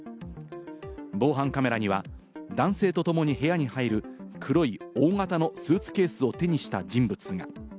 防犯カメラには、男性とともに部屋に入る黒い大型のスーツケースを手にした人物が。